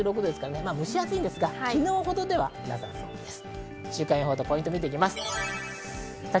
蒸し暑いんですが、昨日ほどではなさそうです。